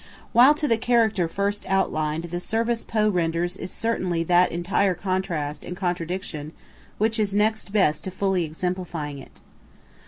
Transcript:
While to the character first outlined the service Poe renders is certainly that entire contrast and contradiction which is next best to fully exemplifying it.